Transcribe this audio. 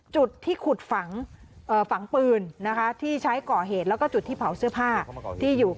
จุดที่ขุดฝังฝังปืนที่ใช้ก่อเหตุ